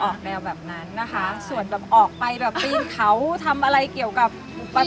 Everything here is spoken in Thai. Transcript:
อ๋อออกแนวแบบนั้นนะคะส่วนออกไปปริ่งเขาทำอะไรเกี่ยวกับประเภท